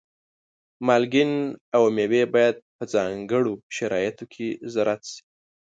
مالګین او مېوې باید په ځانګړو شرایطو کې زراعت شي.